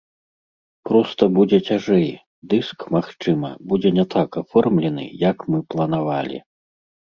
Проста будзе цяжэй, дыск, магчыма, будзе не так аформлены, як мы планавалі.